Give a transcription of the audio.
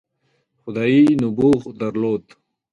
خدايي نبوغ درلود.